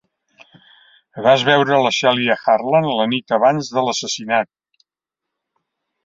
Vas veure la Celia Harland la nit abans de l'assassinat.